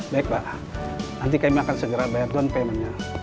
baik pak nanti kami akan segera bayar tuan paymentnya